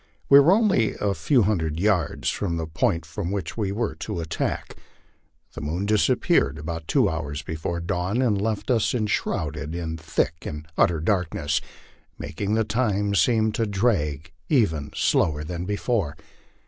We were only a few hundred yards from the point from which we were to attack. The moon disappeared about two hours before dawn, and left us enshrouded in thick and utter darK ness, making the time seem to drag even slower than before.